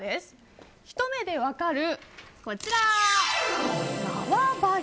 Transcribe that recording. ひと目でわかる、こちら。